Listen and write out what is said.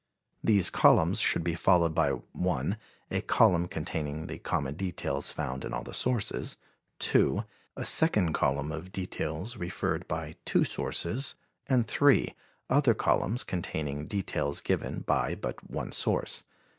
These columns should be followed by (1) a column containing the common details found in all the sources, (2) a second column of details referred to by two sources, and (3) other columns containing details given by but one source.